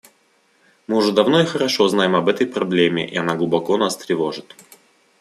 Мы уже давно и хорошо знаем об этой проблеме, и она глубоко нас тревожит.